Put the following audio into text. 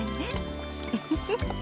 ウフフッ！